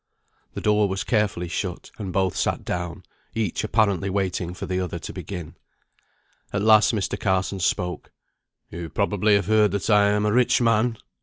The door was carefully shut, and both sat down, each apparently waiting for the other to begin. At last Mr. Carson spoke. "You probably have heard that I am a rich man."